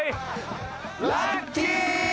ラッキィ。